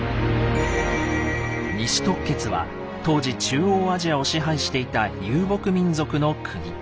西突厥は当時中央アジアを支配していた遊牧民族の国。